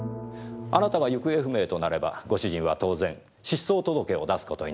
あなたが行方不明となればご主人は当然失踪届を出す事になるでしょう。